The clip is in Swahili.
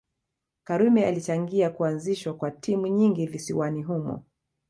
Karume alichangia kuazishwa kwa timu nyingi visiwani humo